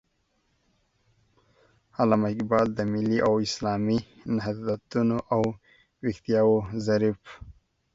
علامه اقبال د ملي او اسلامي نهضتونو او ويښتياو ظريف